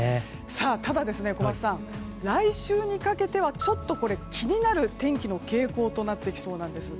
ただ、小松さん、来週にかけてはちょっと気になる天気の傾向となってきそうです。